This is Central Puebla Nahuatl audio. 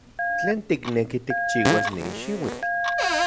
¿Tlen tikneki tikchiuas nin xiuitl?